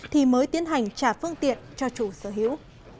thì mới tiến hành trả phương tiện cho chủ sở hữu